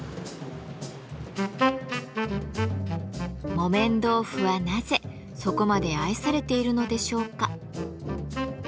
木綿豆腐はなぜそこまで愛されているのでしょうか？